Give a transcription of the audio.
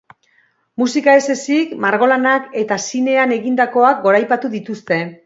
Musika ez ezik, margolanak eta zinean egindakoak goraipatu dituzte.